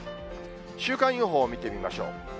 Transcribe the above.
週間予報を見てみましょう。